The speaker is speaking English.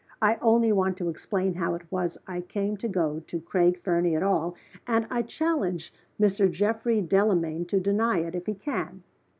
I only want to explain how it was I came to go to Craig Fernie at all and I challenge Mr. Geoffrey Delamayn to deny it, if he can."